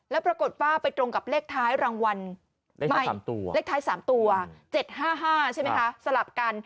แล้วปรากฏว่าไปตรงกับเลขท้าย๓ตัว๗๕๕ใช่ไหมคะสลับกัน